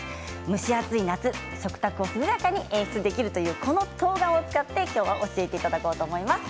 蒸し暑い夏食卓を涼やかに演出できるというこのとうがんを使って教えていただこうと思います。